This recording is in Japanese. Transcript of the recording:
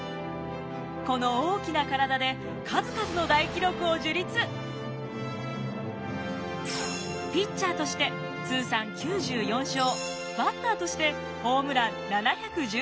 この大きな体でピッチャーとして通算９４勝バッターとしてホームラン７１４本。